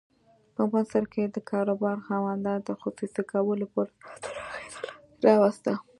په مصر کې د کاروبار خاوندانو د خصوصي کولو پروسه تر اغېز لاندې راوسته.